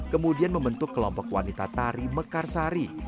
kemudian membentuk kelompok wanita tari mekarsari